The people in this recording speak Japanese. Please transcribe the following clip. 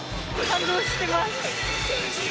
感動してます。